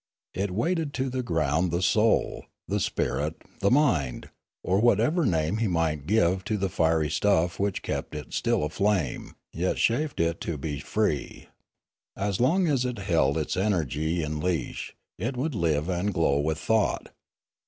It weighted to the ground the soul, the spirit, the mind, or whatever name he might give to the fiery stuff which kept it still aflame, and yet chafed to be free. As long as it held this energy in leash, it would live and glow with thought.